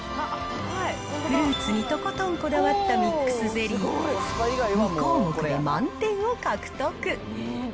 フルーツにとことんこだわったミックスゼリー、２項目で満点を獲得。